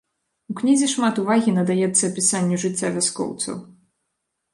У кнізе шмат увагі надаецца апісанню жыцця вяскоўцаў.